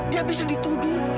dia bisa dituduh